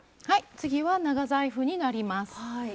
次は長財布になります。